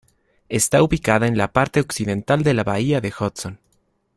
Está ubicada en la parte occidental de la bahía de Hudson.